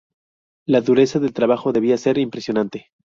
La dureza del trabajo debía ser impresionante.